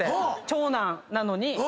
長男なのに。